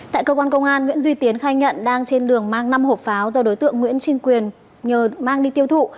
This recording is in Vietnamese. tại cơ quan công an nguyễn duy tiến khai nhận đang trên đường mang năm hộp pháo do đối tượng nguyễn trinh quyền nhờ mang đi tiêu thụ